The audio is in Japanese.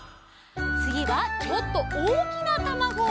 つぎはちょっとおおきなたまご！